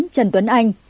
bốn trần tuấn anh